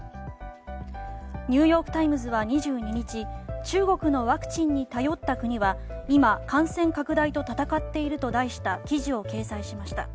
ニューヨーク・タイムズは２２日中国のワクチンに頼った国は今、感染拡大と闘っていると題した記事を掲載しました。